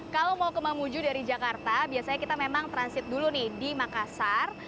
kalau mau ke mamuju dari jakarta biasanya kita memang transit dulu nih di makassar